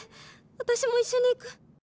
私も一緒に逝く！」。